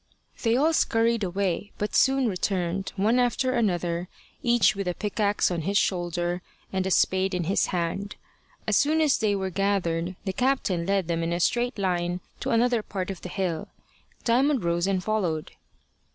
They all scurried away, but soon returned, one after another, each with a pickaxe on his shoulder and a spade in his hand. As soon as they were gathered, the captain led them in a straight line to another part of the hill. Diamond rose and followed.